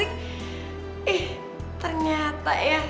ih ternyata ya hebat juga ya